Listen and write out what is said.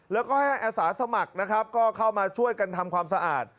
แล้วก็ให้อาสาสมัครนะครับก็เข้ามาช่วยกันทำความสะอาด